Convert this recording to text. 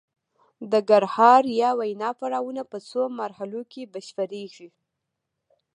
د ګړهار یا وینا پړاوونه په څو مرحلو کې بشپړیږي